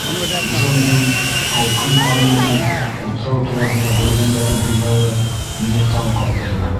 Джондың һалҡын ҡан менән утрау тураһында белгәндәрен һөйләүе мине таң ҡалдырҙы.